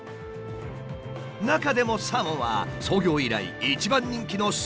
中でもサーモンは創業以来一番人気のすしネタだった。